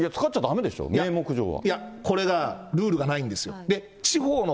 いや、いや、これがルールがないんですよ。